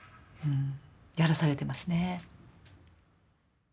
やらされてますね。